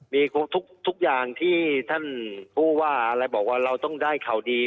มีทุกอย่างที่ท่านผู้ว่าอะไรบอกว่าเราต้องได้ข่าวดี